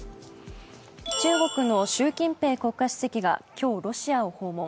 中国の習近平国家主席が今日、ロシアを訪問。